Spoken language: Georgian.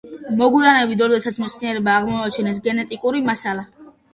მოგვიანებით, როდესაც მეცნიერებმა აღმოაჩინეს გენეტიკური მასალა.